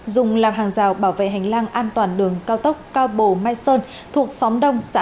dùng làm hàng rào bảo vệ hành lang an toàn đường cao tốc cao bồ mai sơn thuộc xóm đông xã